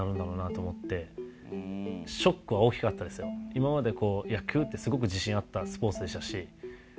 今までこう野球ってすごく自信あったスポーツでしたし。